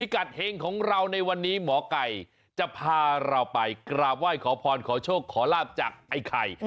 กัดเฮงของเราในวันนี้หมอไก่จะพาเราไปกราบไหว้ขอพรขอโชคขอลาบจากไอ้ไข่